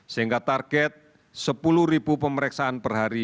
sehingga target sepuluh pemeriksaan per hari